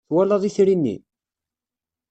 Twalaḍ itri-nni?